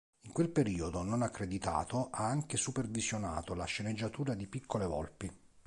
In quel periodo, non accreditato, ha anche supervisionato la sceneggiatura di "Piccole volpi".